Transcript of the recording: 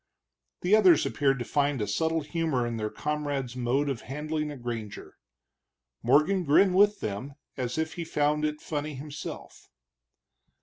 The others appeared to find a subtle humor in their comrade's mode of handling a granger. Morgan grinned with them as if he found it funny himself.